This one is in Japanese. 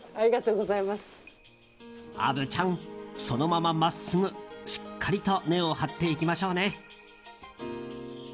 虻ちゃん、そのまま真っすぐしっかりと根を張っていきましょうね。